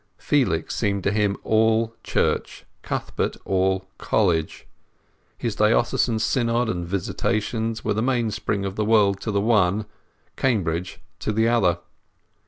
Felix seemed to him all Church; Cuthbert all College. His Diocesan Synod and Visitations were the mainsprings of the world to the one; Cambridge to the other.